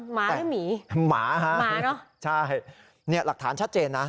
หมาหรือหมีหมาฮะหมาเหรอใช่เนี่ยหลักฐานชัดเจนนะ